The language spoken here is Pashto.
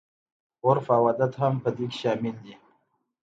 عرف او عادت هم په دې کې شامل دي.